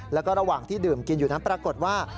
แล้วก็ระหว่างที่ดื่มกินอยู่นั้นปรากฏว่า